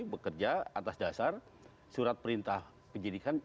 bekerja atas dasar surat perintah penyidikan